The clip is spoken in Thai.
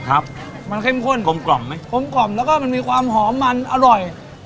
ครับมันเข้มข้นกลมกล่อมไหมกลมกล่อมแล้วก็มันมีความหอมมันอร่อย